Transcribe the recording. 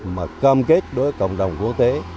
mà cam kết đối với cộng đồng quốc tế